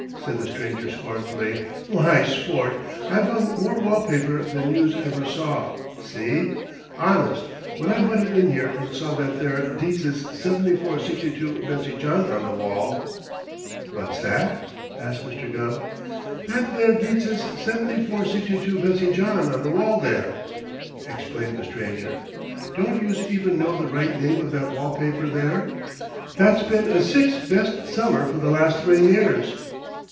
said the stranger scornfully. "Why, sport, I've hung more wall paper than youse ever saw, see? Honest, when I butted in here and saw that there Dietz's 7462 Bessie John on the wall " "That what?" asked Philo Gubb. "That there Dietz's 7462 Bessie John, on the wall there," explained the stranger. "Don't youse even know the right name of that wall paper there, that's been a Six Best Seller for the last three years?"